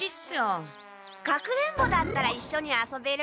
かくれんぼだったらいっしょに遊べるんじゃ？